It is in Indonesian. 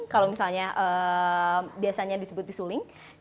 kalau misalnya biasanya disebut disuling